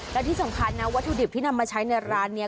และที่สำคัญนะวัตถุดิบที่นำมาใช้ในร้านนี้